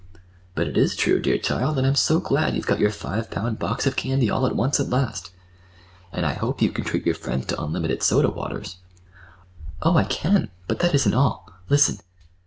"But it is true, dear child; and I'm so glad—you've got your five pound box of candy all at once at last. And I hope you can treat your friends to unlimited soda waters." "Oh, I can! But that isn't all. Listen!"